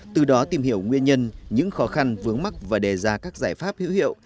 từ đó tìm hiểu nguyên nhân những khó khăn vướng mắt và đề ra các giải pháp hữu hiệu